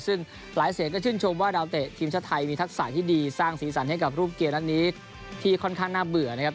ซึ่งหลายเสียงก็ชื่นชมว่าดาวเตะทีมชาติไทยมีทักษะที่ดีสร้างสีสันให้กับรูปเกมนัดนี้ที่ค่อนข้างน่าเบื่อนะครับ